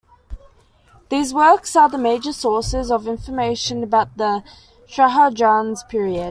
These works are the major sources of information about the Shah Jahan's period.